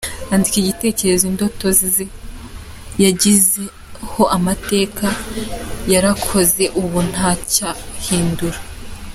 Andika Igitekerezo indotoze ze yazigeze ho amateka yarakoze ubu nta cya yahindura.